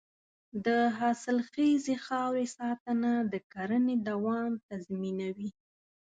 د حاصلخیزې خاورې ساتنه د کرنې دوام تضمینوي.